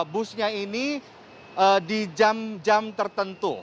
busnya ini di jam jam tertentu